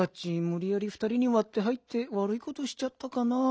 むりやりふたりにわって入ってわるいことしちゃったかな？